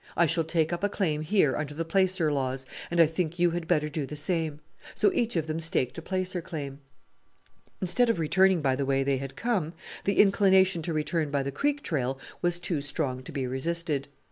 I shall take up a claim here under the placer laws, and I think you had better do the same." So each of them staked a placer claim. Instead of returning by the way they had come, the inclination to return by the creek trail was too strong to be resisted.